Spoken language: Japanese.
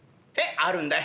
「あるんだよ」。